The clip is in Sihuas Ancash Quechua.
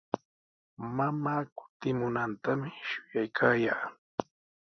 Mamaa kutimunantami shuyaykaa.